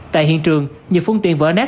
tại hiện trường nhiều phương tiện vỡ nát